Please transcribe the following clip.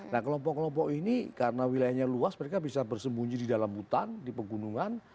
nah kelompok kelompok ini karena wilayahnya luas mereka bisa bersembunyi di dalam hutan di pegunungan